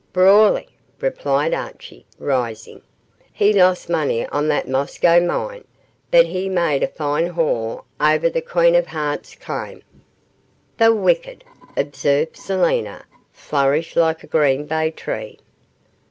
'Brawly,' replied Archie, rising; 'he lost money on that Moscow mine, but he made a fine haul owre the Queen o' Hearts claim.' 'The wicked,' observed Selina, 'flourish like a green bay tree.